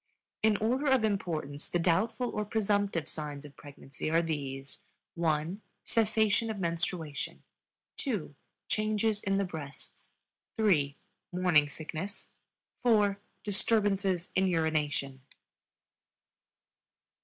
In order of importance the doubtful or presumptive signs of pregnancy are these: (1) cessation of menstruation, (2) changes in the breasts, (3) morning sickness, (4) disturbances in urination.